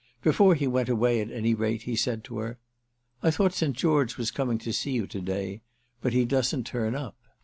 Before he went away, at any rate, he said to her: "I thought St. George was coming to see you to day, but he doesn't turn up."